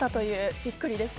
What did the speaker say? びっくりでした。